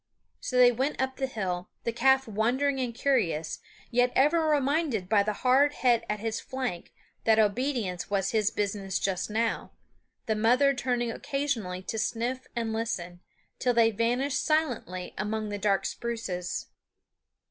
So they went up the hill, the calf wondering and curious, yet ever reminded by the hard head at his flank that obedience was his business just now, the mother turning occasionally to sniff and listen, till they vanished silently among the dark spruces.